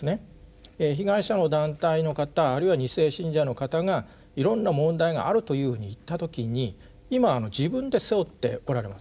被害者の団体の方あるいは二世信者の方がいろんな問題があるというふうにいった時に今自分で背負っておられます。